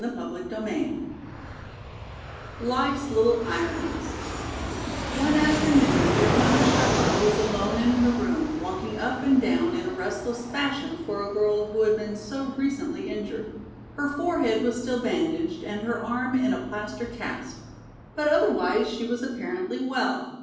CHAPTER IX "Life's Little Ironies" ONE afternoon the Countess Charlotta was alone in her room walking up and down in a restless fashion for a girl who had been so recently injured. Her forehead was still bandaged and her arm in a plaster cast, but otherwise she was apparently well.